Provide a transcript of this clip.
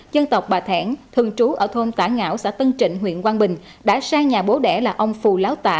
dân tộc bà thẻn thường trú ở thôn tả ngảo xã tân trịnh huyện quang bình đã sang nhà bố đẻ là ông phù láo tả